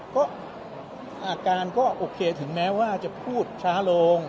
ก็อาการก็โอเคถึงแม้ว่าจะพูดช้าลง